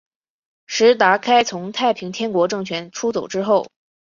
石达开从太平天国政权出走之后。